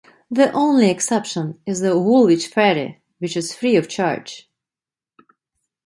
The only exception is the Woolwich Ferry, which is free of charge.